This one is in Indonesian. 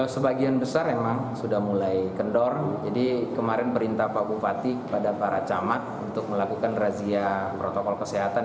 sebagian besar memang sudah mulai kendor jadi kemarin perintah pak bupati kepada para camat untuk melakukan razia protokol kesehatan